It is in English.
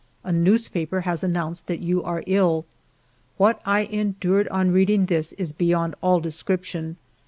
A newspaper has announced that you are ill. What I endured on reading this is be yond all description.